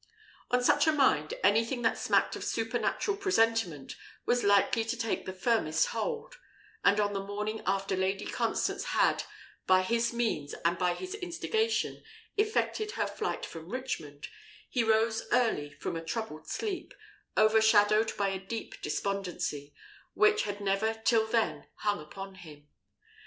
On such a mind, anything that smacked of supernatural presentiment was likely to take the firmest hold; and, on the morning after Lady Constance had, by his means and by his instigation, effected her flight from Richmond, he rose early from a troubled sleep, overshadowed by a deep despondency, which had never till then hung upon him.